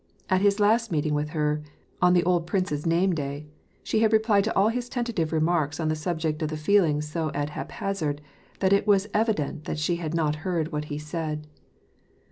At his last meeting with her, on the old prince's name day, she had replied to all his tentative remarks on the subject of the feelings so at haphazard that it was evi dent she had not heard what he said.